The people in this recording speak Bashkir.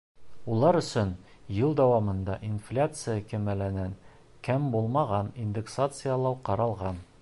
Улар өсөн йыл дауамында инфляция кимәленән кәм булмаған индексациялау ҡаралған.